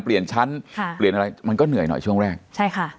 เปลี่ยนชั้นค่ะเปลี่ยนอะไรมันก็เหนื่อยหน่อยช่วงแรกใช่ค่ะ